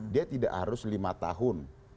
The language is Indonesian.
dia tidak harus lima tahun